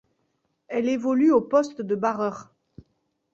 Elle évolue au poste de barreur.